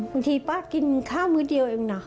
บางทีป้ากินข้าวมื้อเดียวเองนะ